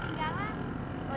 saya mau ke tinggalan